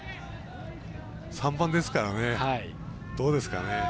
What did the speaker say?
３番ですからね、どうですかね。